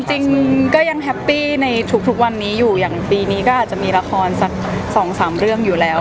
จริงก็ยังแฮปปี้ในทุกวันนี้อยู่อย่างปีนี้ก็อาจจะมีละครสัก๒๓เรื่องอยู่แล้ว